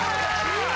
うわ！